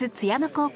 高校